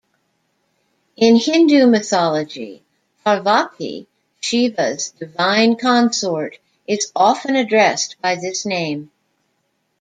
In Hindu mythology, Parvati, Shiva's divine consort, is often addressed by this name.